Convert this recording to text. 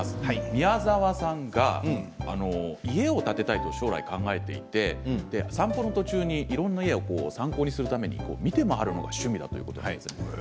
宮沢さんが家を建てたいと将来、考えていて散歩の途中に、いろんな家を参考にするために見て回るのが趣味だということです。